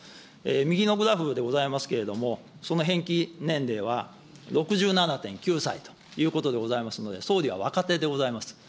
右のグラフでございますけれども、その平均年齢は６７．９歳ということでございますので、総理は若手でございます。